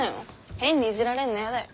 変にいじられんのやだよ。